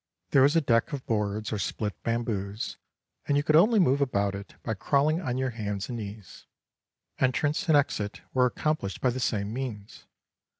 There was a deck of boards or split bamboos, and you could only move about it by crawling on your hands and knees. Entrance and exit were accomplished by the same means.